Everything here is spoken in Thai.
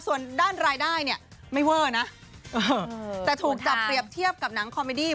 ส่วนด้านรายได้เนี่ยไม่เวอร์นะแต่ถูกจับเปรียบเทียบกับหนังคอมมิดี้